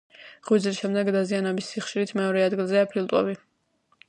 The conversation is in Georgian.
ღვიძლის შემდეგ, დაზიანების სიხშირით, მეორე ადგილზეა ფილტვები.